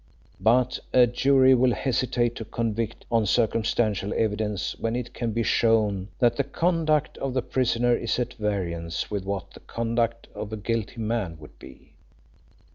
But a jury will hesitate to convict on circumstantial evidence when it can be shown that the conduct of the prisoner is at variance with what the conduct of a guilty man would be.